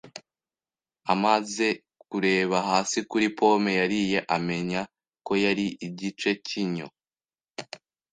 amaze kureba hasi kuri pome yariye, amenya ko yariye igice cyinyo.